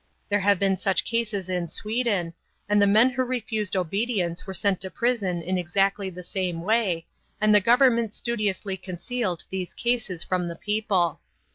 There have been such cases in Sweden, and the men who refused obedience were sent to prison in exactly the same way, and the government studiously concealed these cases from the people.